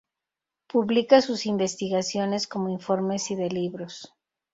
Publica sus investigaciones como informes y de libros.